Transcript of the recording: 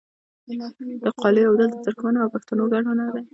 د قالیو اوبدل د ترکمنو او پښتنو ګډ هنر دی.